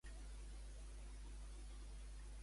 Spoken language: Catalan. Que el coneixem?